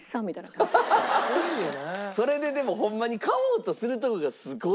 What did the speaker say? それででもホンマに買おうとするとこがすごい。